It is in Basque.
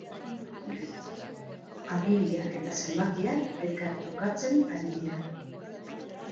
Agiriak eta zenbakiak elkartrukatzen ari dira.